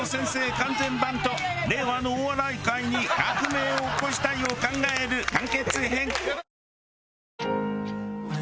完全版と令和のお笑い界に革命を起こしたいを考える完結編。